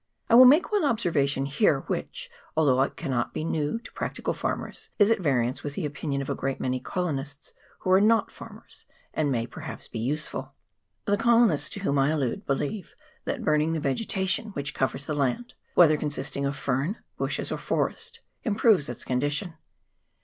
I will make one observation here, which, although it cannot be new to practical farmers, is at variance with the opinion of a great many colonists who are not farmers, and may, perhaps, be useful. The colonists to whom I allude believe that burning the vegetation which covers the land, whether consisting of fern, bushes, or forest, improves its condition.